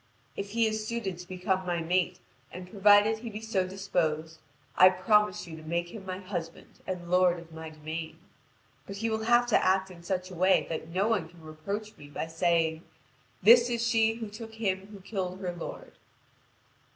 If he is suited to become my mate, and provided he be so disposed, I promise you to make him my husband and lord of my domain. But he will have to act in such a way that no one can reproach me by saying: 'This is she who took him who killed her lord.'"